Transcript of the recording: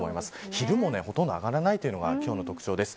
昼もほとんど上がらないというのが今日の特徴です。